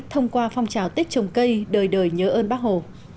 thông qua phong trào tết trồng cây đời đời nhớ ơn bác hồ